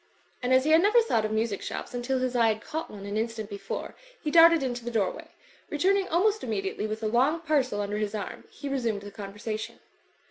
And as he had never thought of music shops until his eye had caught one an instant before, he darted into the doorway. Returning almost immediately with a long parcel under his arm» he resumed the conversa tion.